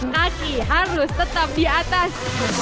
kaki harus tetap di atas